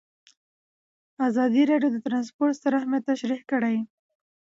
ازادي راډیو د ترانسپورټ ستر اهميت تشریح کړی.